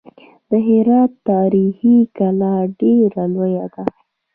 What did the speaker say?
د هرات تاریخي کلا ډېره لویه ده.